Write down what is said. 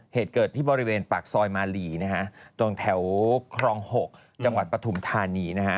เหตุเกิดที่บริเวณปากซอยมาลีนะฮะตรงแถวครอง๖จังหวัดปฐุมธานีนะฮะ